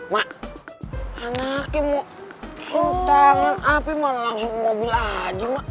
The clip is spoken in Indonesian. mak anaknya mau sutangan api malah langsung ke mobil aja mak